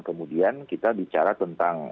kemudian kita bicara tentang